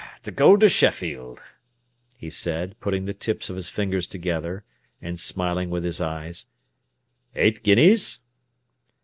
"Er—to go to Sheffield!" he said, putting the tips of his fingers together, and smiling with his eyes. "Eight guineas?"